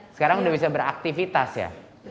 sekarang sudah bisa beraktifitas ya